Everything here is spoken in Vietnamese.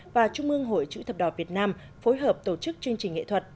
và trung ương hội chữ thập đỏ việt nam phối hợp tổ chức chương trình nghệ thuật